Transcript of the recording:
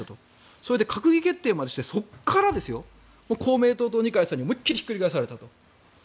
それで閣議決定までしてそこから公明党と二階さんに思いっきりひっくり返されたと。